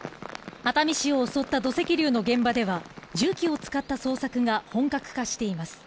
熱海市を襲った土石流の現場では重機を使った捜索が本格化しています。